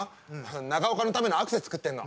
長岡のためのアクセ作ってるの。